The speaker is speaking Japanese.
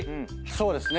そうですね。